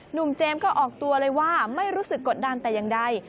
เจมส์ก็ออกตัวเลยว่าไม่รู้สึกกดดันแต่อย่างใด